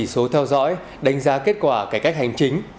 số theo dõi đánh giá kết quả cải cách hành chính